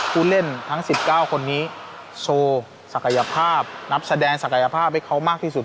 ผู้เล่นทั้ง๑๙คนนี้โชว์ศักยภาพนับแสดงศักยภาพให้เขามากที่สุด